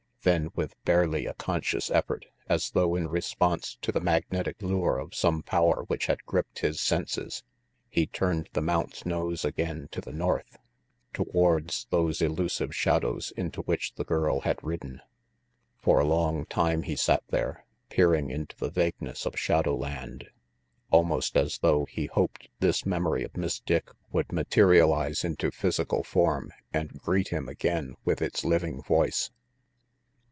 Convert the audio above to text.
Then, with barely a conscious effort, as though in response to the magnetic lure of some power which had gripped his senses, he turned the mount's nose again to the north, towards those elusive shadows into which the girl had ridden. For a long time he sat there, peering into the vague ness of shadow land, almost as though he hoped this memory of Miss Dick would materialize into physical form and greet him again with its living voice.